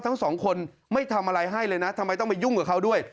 ทั้งสองคนไม่ทำอะไรให้เลยนะทำไมต้องมายุ่งกับเขาด้วย